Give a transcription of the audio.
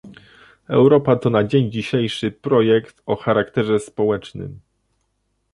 Europa to na dzień dzisiejszy projekt o charakterze społecznym